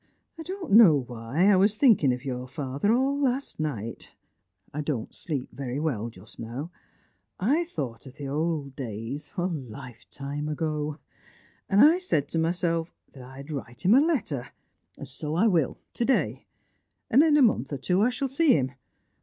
I don't know why, I was thinking of your father all last night I don't sleep very well just now. I thought of the old days, a lifetime ago; and I said to myself that I would write him a letter. So I will, to day. And in a month or two I shall see him.